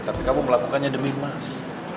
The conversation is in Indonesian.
tapi kamu melakukannya demi emas